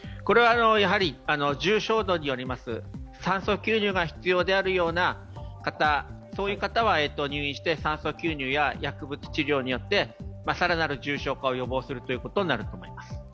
やはり重症度によります、酸素吸入が必要であるような方、入院して酸素吸入や薬物治療によって更なる重症化を予防するということになるかと思います。